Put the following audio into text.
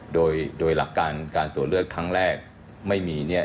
โดยหลักการการตรวจเลือกครั้งแรกไม่มีเนี่ย